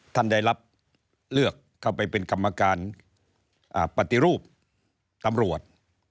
ท่านได้รับเลือกเข้าไปเป็นกรรมการปฏิรูปตำรวจ